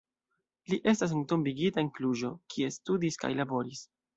Li estas entombigita en Kluĵo, kie studis kaj laboris.